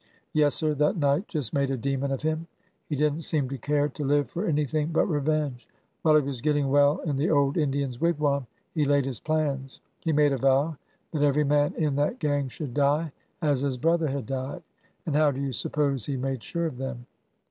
Yes, sir, that night just made a demon of him. Pie did n't seem to care to live for anything but revenge. While he was getting well in the old Indian's wigwam he laid his plans. He made a vow that every man in that gang should die as his brother had died. And how do you suppose he made sure of them